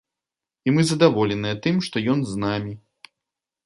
І мы задаволеныя тым, што ён з намі.